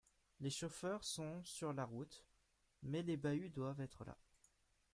les chauffeurs sont sur la route. Mais les bahuts doivent être là.